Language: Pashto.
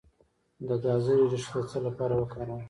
د ګازرې ریښه د څه لپاره وکاروم؟